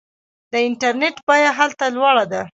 د انټرنیټ بیه هلته لوړه ده.